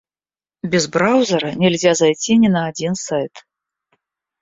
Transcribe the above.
Без браузера нельзя зайти ни на один сайт.